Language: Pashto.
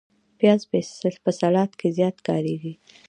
پیاز په سلاد کې زیات کارېږي